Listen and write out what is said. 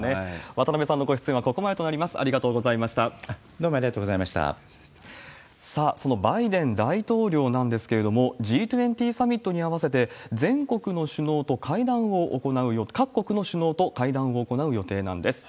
渡辺さんのご出演はここまでとなどうもありがとうございましさあ、そのバイデン大統領なんですけれども、Ｇ２０サミットに合わせて、全国の首脳と会談を行う、各国の首脳と会談を行う予定なんです。